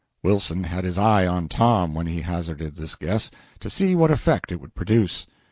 Wilson had his eye on Tom when he hazarded this guess, to see what effect it would produce.